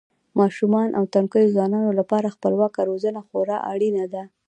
ماشومانو او تنکیو ځوانانو لپاره خپلواکه روزنه خورا اړینه ده.